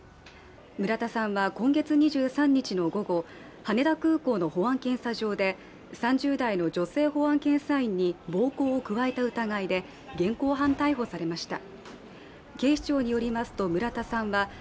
村田さんは今月２３日の午後羽田空港の保安検査場で３０代の女性保安検査員に暴行を加えた疑いで、現行犯逮捕されました。